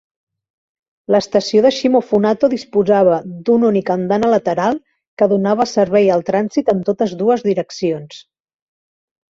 L'estació de Shimofunato disposava d'una única andana lateral que donava servei al trànsit en totes dues direccions.